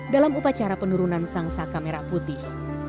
dalam upacara penurunan sang saka merah putih